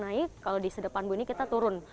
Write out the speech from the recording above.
naik kalau di sedepan bu ini kita turun